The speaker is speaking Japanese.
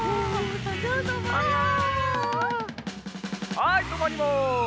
はいとまります。